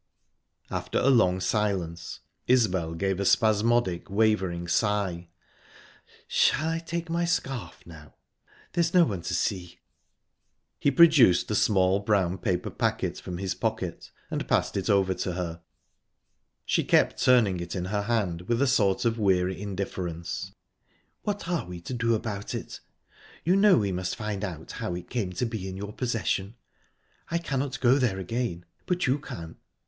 After a long silence, Isbel gave a spasmodic, wavering sigh. "Shall I take my scarf now? There's no one to see." He produced a small brown paper packet from his pocket, and passed it over to her. She kept turning it in her hand, with a sort of weary indifference. "What are we to do about it? You know we must find out how it came to be in your possession. I cannot go there again, but you can."